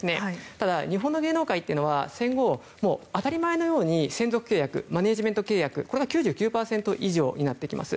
ただ、日本の芸能界というのは戦後、当たり前のように専属契約、マネジメント契約これが９９％以上になってきます。